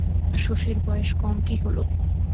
শশীর বয়েস কম কী হল!